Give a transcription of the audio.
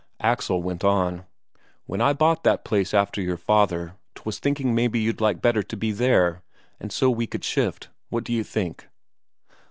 Axel went on: "When I bought that place after your father, 'twas thinking maybe you'd like better to be there, and so we could shift. What d'you think?"